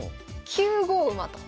９五馬と。